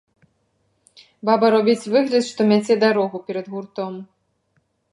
Баба робіць выгляд, што мяце дарогу перад гуртом.